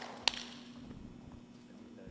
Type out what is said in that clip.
สวัสดีครับทุกคน